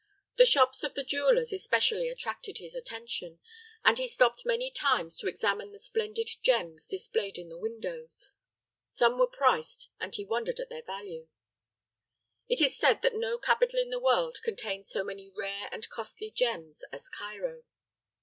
The shops of the jewelers especially attracted his attention, and he stopped many times to examine the splendid gems displayed in the windows. Some were priced, and he wondered at their value. It is said that no capital in the world contains so many rare and costly gems as Cairo.